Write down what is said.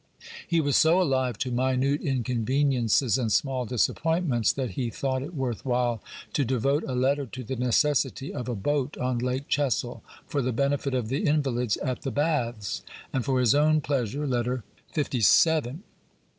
He was so alive to minute inconveniences and small disappoint ments that he thought it worth while to devote a letter to the necessity of a boat on Lake Chessel for the benefit of the invalids at the baths — and for his own pleasure (Letter LVn.).